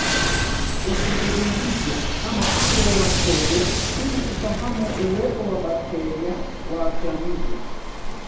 Uchunguzi mpya kama ule wa mkojo ili kufahamu uwepo wa bakteria wa klamidia